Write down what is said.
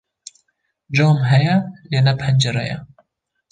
cam heye lê ne pencere ye